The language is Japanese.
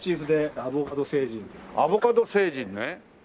アボカド星人ね。